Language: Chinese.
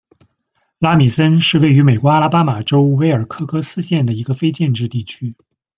拉米森是位于美国阿拉巴马州威尔科克斯县的一个非建制地区。